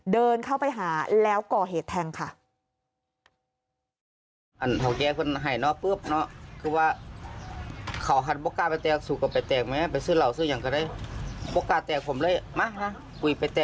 เดินเข้าไปหาแล้วก่อเหตุแทงค่ะ